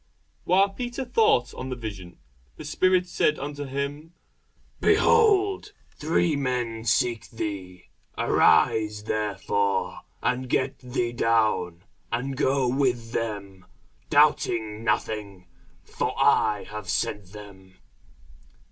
While Peter thought on the vision, the Spirit said unto him, Behold, three men seek thee. Arise therefore, and get thee down, and go with them, doubting nothing: for I have sent them.